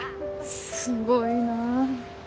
すごいなぁ。